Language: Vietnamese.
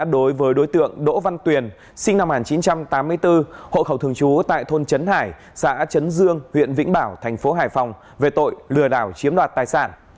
đối với đối tượng đỗ văn tuyền sinh năm một nghìn chín trăm tám mươi bốn hộ khẩu thường trú tại thôn trấn hải xã chấn dương huyện vĩnh bảo thành phố hải phòng về tội lừa đảo chiếm đoạt tài sản